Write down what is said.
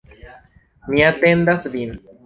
Mi atendas vin.